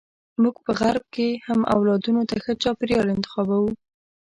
موږ په غرب کې هم اولادونو ته ښه چاپیریال انتخابوو.